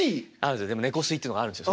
でも猫吸いっていうのがあるんですよ。